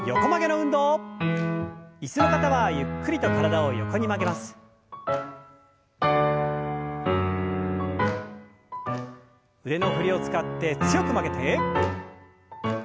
腕の振りを使って強く曲げて。